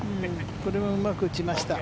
これもうまく打ちました。